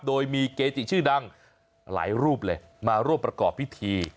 โดยมีเกจิชื่อดังหลายรูปเลยมาร่วมประกอบพิธี